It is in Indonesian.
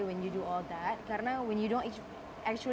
karena ketika kamu tidak suka dengan apa yang kamu lakukan